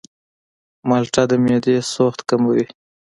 مالټه د معدې سوخت کموي.